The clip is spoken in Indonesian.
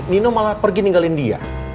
nino malah pergi ninggalin dia